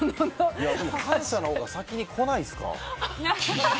感謝のほうが先に来ないですか？